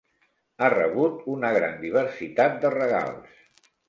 Ha rebut una gran diversitat de regals.